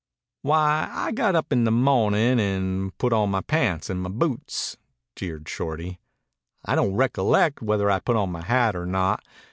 "Why, I got up in the mo'nin' and put on my pants an' my boots," jeered Shorty. "I don't recolleck whether I put on my hat or not.